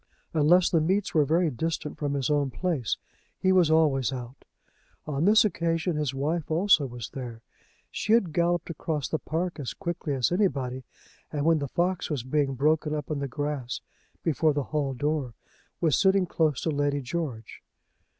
Unless the meets were very distant from his own place, he was always out. On this occasion his wife also was there. She had galloped across the park as quickly as anybody, and when the fox was being broken up in the grass before the hall door, was sitting close to Lady George.